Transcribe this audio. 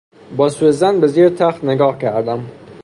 با سو ظن به زیر تخت نگاه کردم.